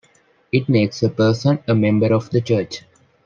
It makes a person a member of the Church.